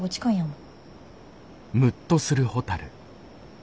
ん。